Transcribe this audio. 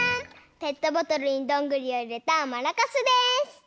ペットボトルにどんぐりをいれたマラカスです！